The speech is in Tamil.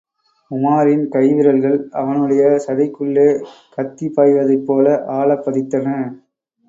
உமாரின் கை விரல்கள், அவனுடைய சதைக்குள்ளே கத்தி பாய்வதைப்போல ஆழப் பதித்தன.